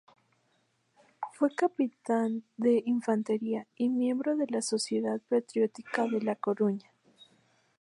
Fue capitán de Infantería y miembro de la Sociedad Patriótica de La Coruña.